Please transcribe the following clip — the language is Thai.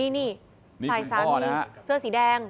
นี่ฝ่ายสามีเสื้อสีแดง